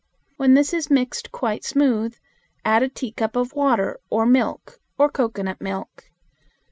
When this is mixed quite smooth, add a teacup of water or milk or cocoanut milk.